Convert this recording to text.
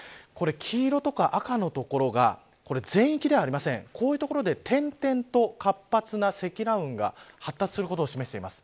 黄色や赤の所が全域ではありません、こういう所で点々と活発な積乱雲が発達することを示しています。